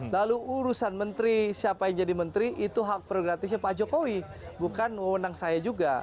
lalu urusan menteri siapa yang jadi menteri itu hak prerogatifnya pak jokowi bukan wewenang saya juga